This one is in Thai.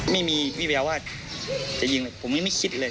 ไม่มีวิแววว่าจะยิงเลยผมยังไม่คิดเลย